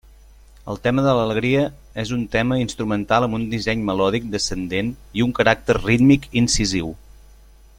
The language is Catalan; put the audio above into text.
El tema de l'alegria és un tema instrumental amb un disseny melòdic descendent i un caràcter rítmic incisiu.